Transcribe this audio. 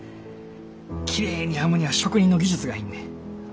きれいに編むには職人の技術が要んねん。